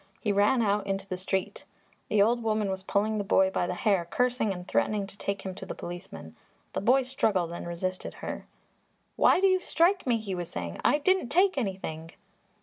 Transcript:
He ran out into the street. The old woman was pulling the boy by the hair, cursing and threatening to take him to the policeman; the boy struggled and resisted her. "Why do you strike me?" he was saying. "I didn't take anything!"